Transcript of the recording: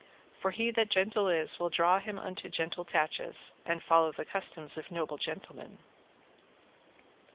For he that gentle is will draw him unto gentle tatches, and to follow the customs of noble gentlemen.